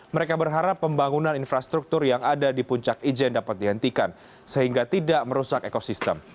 mereka berharap pembangunan infrastruktur yang ada di puncak ijen dapat dihentikan sehingga tidak merusak ekosistem